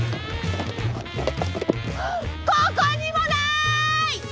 ここにもない！